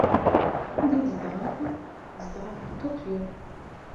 Anda ay tzedɣeḍ? Zedɣeɣ deg Tokyo.